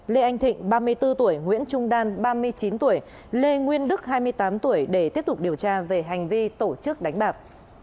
lê anh thịnh ba mươi bốn tuổi nguyễn trung đan ba mươi chín tuổi lê nguyên đức hai mươi tám tuổi để tiếp tục điều tra về hành vi tổ chức đánh bạc